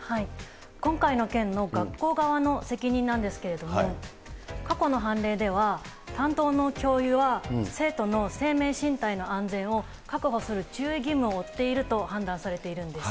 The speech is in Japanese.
今回の件の学校側の責任なんですけれども、過去の判例では担当の教諭は生徒の生命・身体の安全を確保する注意義務を負っていると判断されているんです。